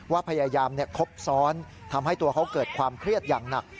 ว่าพยายามครบซ้อนทำให้ตัวเขาเกิดความเครียดอย่างหนัก